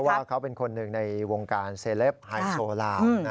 ว่าเขาเป็นคนหนึ่งในวงการเซเลปไฮโซลาว